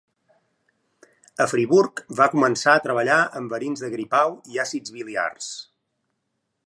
A Friburg va començar a treballar en verins de gripau i àcids biliars.